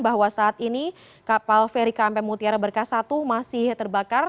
bahwa saat ini kapal feri kmp mutiara berkas satu masih terbakar